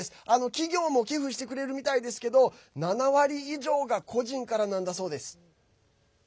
企業も寄付してくれるみたいですけど７割以上が個人からなんだそうです。